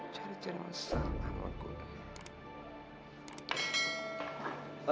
cari cari masalah mah gue